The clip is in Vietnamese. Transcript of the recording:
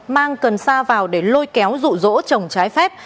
mang cần xa vào để lôi kéo rụ rỗ trồng trái phép